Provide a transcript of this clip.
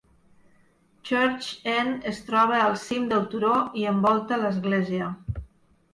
Church End es troba al cim del turó i envolta l'església.